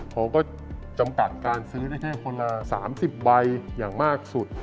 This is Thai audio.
ผมก็จำกัดการซื้อได้แค่คนละ๓๐ใบอย่างมากสุด